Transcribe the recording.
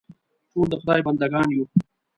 ټول د خدای بندهګان یو.